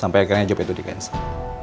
sampai akhirnya job itu di cancer